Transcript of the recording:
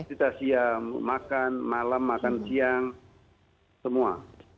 kita siap makan malam makan siang semua